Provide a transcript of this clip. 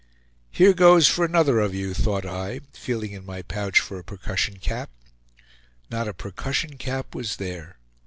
"Here goes for another of you," thought I, feeling in my pouch for a percussion cap. Not a percussion cap was there.